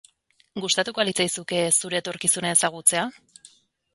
Gustatuko al litzaizuke zure etorkizuna ezagutzea?